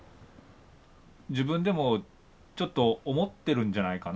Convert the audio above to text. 自分でもちょっと思ってるんじゃないかな？